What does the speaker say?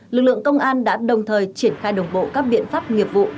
lực lượng công an đã đồng thời triển khai đồng bộ các biện pháp nghiệp vụ